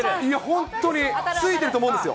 本当に、ついてると思うんですよ。